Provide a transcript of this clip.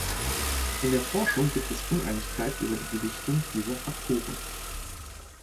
In der Forschung gibt es Uneinigkeit über die Gewichtung dieser Faktoren.